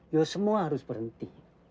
ya semua harus berhenti